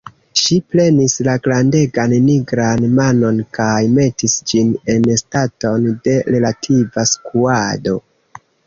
Ŝi prenis la grandegan nigran manon kaj metis ĝin en staton de relativa skuado.